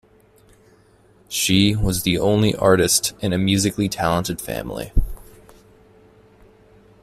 She was the only artist in a musically talented family.